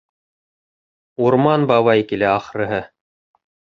Урман бабай килә, ахырыһы.